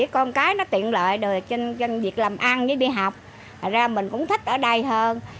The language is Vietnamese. chỉ là điều đơn giản